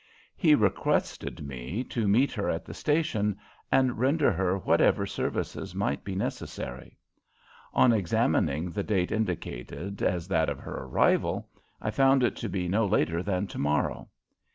He requested me to meet her at the station and render her whatever services might be necessary. On examining the date indicated as that of her arrival, I found it to be no later than tomorrow.